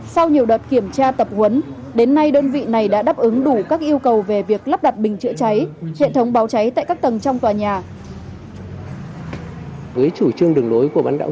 sau nhiều đợt kiểm tra tập huấn đến nay đơn vị này đã đáp ứng đủ các yêu cầu về việc lắp đặt bình chữa cháy hệ thống báo cháy tại các tầng trong tòa nhà